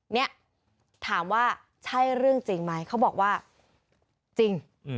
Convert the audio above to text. เนี่ยถามว่าใช่เรื่องจริงไหมเขาบอกว่าจริง